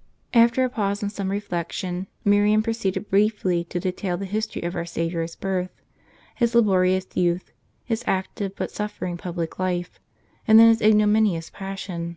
" After a pause and some reflection, Miriam proceeded briefly to detail the history of our Saviour's birth. His laborious youth. His active but suffering public life, and then His ignominious Passion.